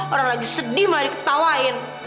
orang lagi sedih malah diketawain